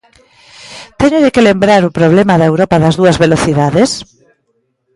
¿Téñolle que lembrar o problema da Europa das dúas velocidades?